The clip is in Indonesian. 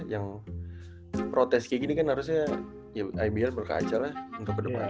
yang protes kayak gini kan harusnya ya ibl berkaca lah untuk ke depan